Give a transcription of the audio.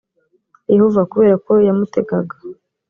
yehova kubera ko yamutegaga